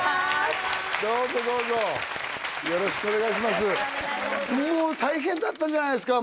どうぞどうぞよろしくお願いします大変だったんじゃないですか？